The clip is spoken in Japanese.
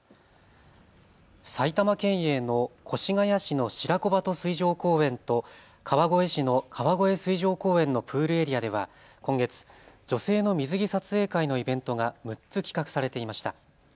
埼玉県営の越谷市のしらこばと水上公園と川越市の川越水上公園のプールエリアでは今月、女性の水着撮影会のイベントが６つ企画されていました。